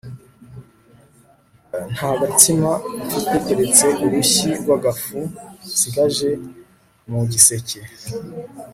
nta gatsima mfite keretse urushyi rwagafu nsigaje mu giseke